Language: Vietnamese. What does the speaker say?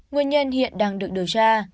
nguyên nhân hiện đang được điều tra